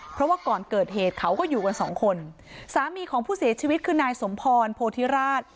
เพราะว่าก่อนเกิดเหตุเขาก็อยู่กันสองคนสามีของผู้เสียชีวิตคือนายสมพรโพธิราช